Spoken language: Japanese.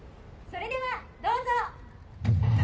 それでは、どうぞ。